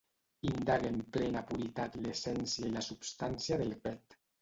Indague en plena puritat l'essència i la substància del pet.